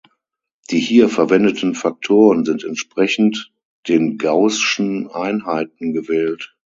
Die hier verwendeten Faktoren sind entsprechend den Gaußschen Einheiten gewählt.